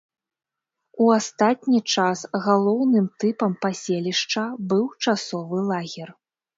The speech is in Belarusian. У астатні час галоўным тыпам паселішча быў часовы лагер.